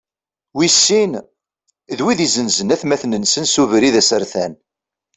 Wis sin, d wid izenzen atmaten-nsen s ubrid asertan.